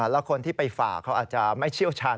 แล้วคนที่ไปฝ่าเขาอาจจะไม่เชี่ยวชาญ